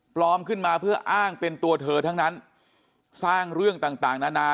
ขึ้นมาเพื่ออ้างเป็นตัวเธอทั้งนั้นสร้างเรื่องต่างต่างนานา